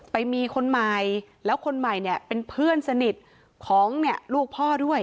ไปมีคนใหม่แล้วคนใหม่เนี่ยเป็นเพื่อนสนิทของเนี่ยลูกพ่อด้วย